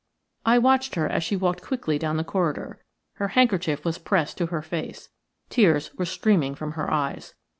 I watched her as she walked quickly down the corridor. Her handkerchief was pressed to her face; tears were streaming from her eyes.